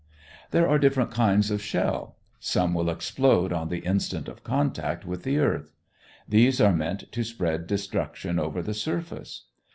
There are different kinds of shell. Some will explode on the instant of contact with the earth. These are meant to spread destruction over the surface.